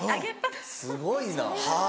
すごいな。